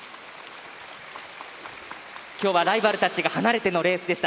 今日はライバルたちが離れてのレースでした。